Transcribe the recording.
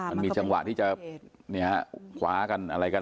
มันมีจังหวะที่จะขวากันอะไรกันถรงนี้ด้วยนะครับ